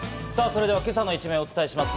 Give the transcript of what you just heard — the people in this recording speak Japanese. それでは今朝の一面をお伝えします。